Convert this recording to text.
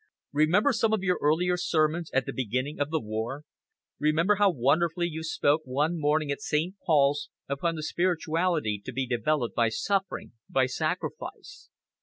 Remember some of your earlier sermons at the beginning of the war. Remember how wonderfully you spoke one morning at St. Paul's upon the spirituality to be developed by suffering, by sacrifice.